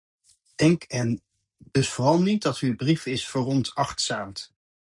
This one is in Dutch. Denkt u dus vooral niet dat uw brief is veronachtzaamd.